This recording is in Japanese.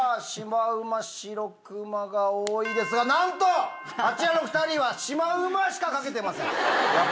しまうましろくまが多いですがなんとあちらの２人はしまうましか書けてません。